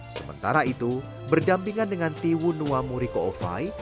sementara itu berdampingan dengan tiwunua murikoowai